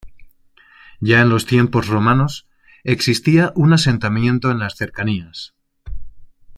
Ya en los tiempos romanos, existía un asentamiento en las cercanías.